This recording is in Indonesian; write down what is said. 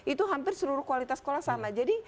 itu hampir seluruh kualitas sekolah sama jadi